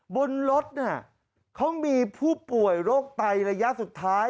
บนรถเนี่ยเขามีผู้ป่วยโรคไตระยะสุดท้าย